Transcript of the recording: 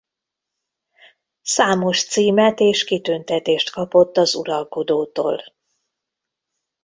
Számos címet és kitüntetést kapott az uralkodótól.